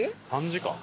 ３時間。